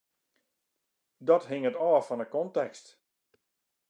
Dat hinget ôf fan de kontekst.